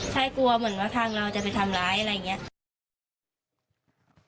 ใช่กลัวเหมือนว่าทางเราจะไปทำร้ายอะไรอย่างนี้